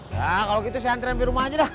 kalau begitu saya antri sampai rumah saja dah